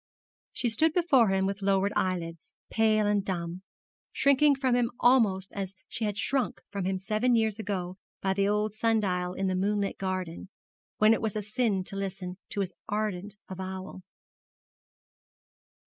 She stood before him with lowered eyelids, pale and dumb, shrinking from him almost as she had shrunk from him seven years ago by the old sundial in the moonlit garden, when it was a sin to listen to his ardent avowal.